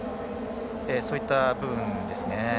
そういった部分ですね。